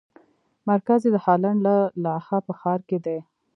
مرکز یې د هالنډ د لاهه په ښار کې دی.